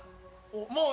もう。